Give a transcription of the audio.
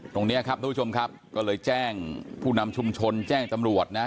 ตรงนี้ครับทุกผู้ชมครับก็เลยแจ้งผู้นำชุมชนแจ้งตำรวจนะฮะ